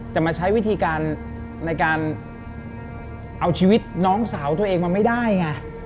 มาใช้วิธีการในการเอาชีวิตน้องสาวตัวเองมาไม่ได้ไง